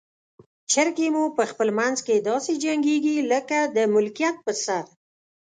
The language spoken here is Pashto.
چرګې مو په خپل منځ کې داسې جنګیږي لکه د ملکیت پر سر.